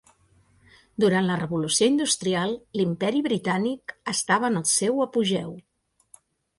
Durant la revolució industrial, l'Imperi Britànic estava en el seu apogeu.